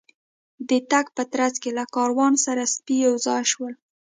د تګ په ترڅ کې له کاروان سره سپي یو ځای شول.